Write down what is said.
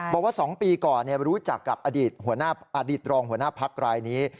บอกว่า๒ปีก่อนรู้จักกับอดีตรองหัวหน้าพักรายนี้